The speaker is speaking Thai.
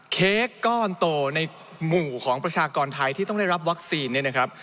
เค้กก้อนโตในหมู่ของประชากรไทยที่ต้องได้รับวัคซีนเนี่ยนะครับ